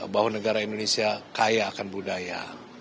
bahwa negara indonesia kaya akan budaya